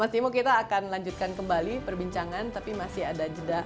mas timo kita akan lanjutkan kembali perbincangan tapi masih ada jeda